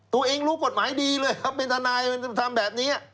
รู้กฎหมายดีเลยครับเป็นทนายมันทำแบบนี้